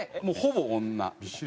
もうほぼ女。